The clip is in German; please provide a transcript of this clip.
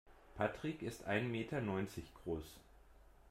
Patrick ist ein Meter neunzig groß.